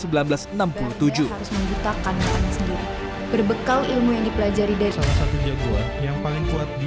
berbekal ilmu yang dipelajari dari